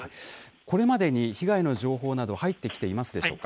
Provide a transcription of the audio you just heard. これまでに被害の情報など入ってきていますでしょうか。